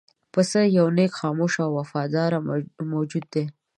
پسه یو نېک، خاموش او وفادار موجود دی.